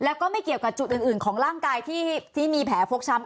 แล้วก็ไม่เกี่ยวกับจุดอื่นของร่างกายที่มีแผลฟกช้ำ